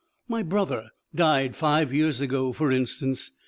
My brother died five years ago, for instance.